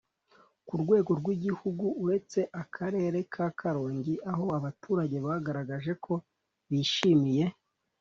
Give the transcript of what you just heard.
Ku rwego rw Igihugu uretse akarere ka Karongi aho abaturage bagaragaje ko bishimiye